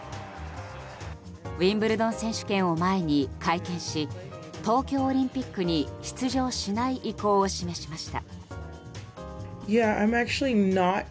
ウィンブルドン選手権を前に会見し東京オリンピックに出場しない意向を示しました。